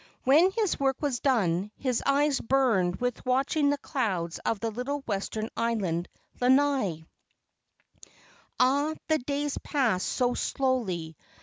When his work was done, his eyes burned with watching the clouds of the little western island Lanai. Ah, the days passed by so slowly!